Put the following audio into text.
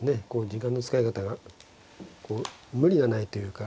時間の使い方が無理がないというか。